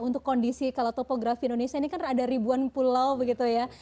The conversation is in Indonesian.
untuk kondisi kalau topografi indonesia ini kan ada ribuan pulau begitu ya